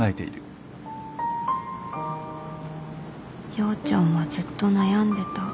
陽ちゃんはずっと悩んでた